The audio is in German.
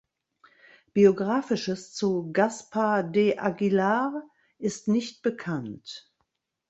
Biografisches zu Gaspar de Aguilar ist nicht bekannt.